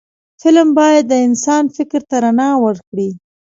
فلم باید د انسان فکر ته رڼا ورکړي